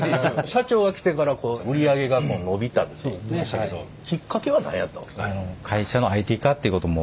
社長が来てからこう売り上げが伸びたって言ってましたけどきっかけは何やったんですか？